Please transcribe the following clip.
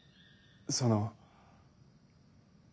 その。